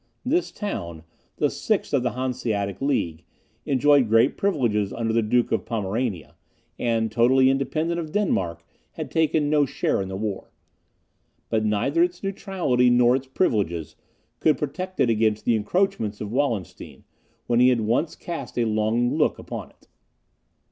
This town, the sixth of the Hanseatic League, enjoyed great privileges under the Duke of Pomerania, and totally independent of Denmark, had taken no share in the war. But neither its neutrality, nor its privileges, could protect it against the encroachments of Wallenstein, when he had once cast a longing look upon it.